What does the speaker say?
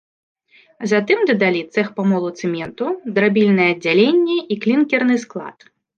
Затым дадалі цэх памолу цэменту, драбільнае аддзяленне і клінкерны склад.